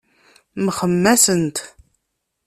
Mxemmasent.